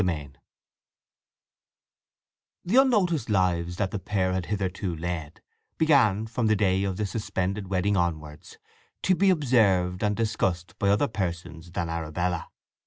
VI The unnoticed lives that the pair had hitherto led began, from the day of the suspended wedding onwards, to be observed and discussed by other persons than Arabella.